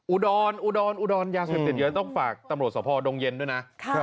อุดรยาเสพติดเยอะต้องฝากตำรวจส่อปพอร์ดงเย็นด้วยนะ